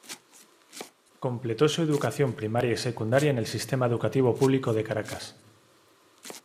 Completó su educación primaria y secundaria en el sistema educativo público de Caracas.